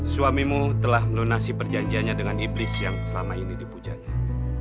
suamimu telah melunasi perjanjiannya dengan iblis yang selama ini dipujanya